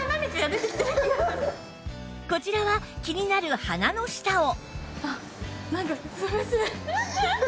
こちらは気になる鼻の下を